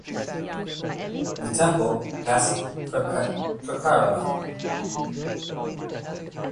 The temple has prakara.